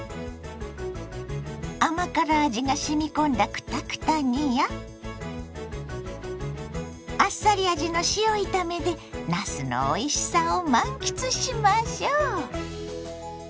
甘辛味がしみ込んだクタクタ煮やあっさり味の塩炒めでなすのおいしさを満喫しましょ。